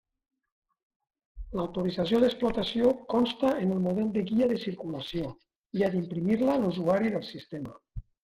L'autorització d'explotació consta en el model de guia de circulació, i ha d'imprimir-la l'usuari del sistema.